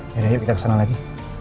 yaudah ayo kita kesana lagi